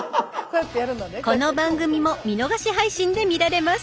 この番組も見逃し配信で見られます。